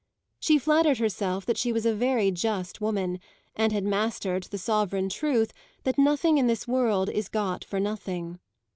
She flattered herself that she was a very just woman, and had mastered the sovereign truth that nothing in this world is got for nothing.